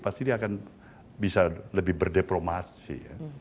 pasti dia akan bisa lebih berdepromasi